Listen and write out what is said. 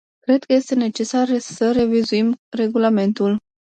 Cred că este necesar să revizuim regulamentul.